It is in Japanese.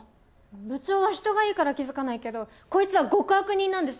部長は人がいいから気付かないけどコイツは極悪人なんです！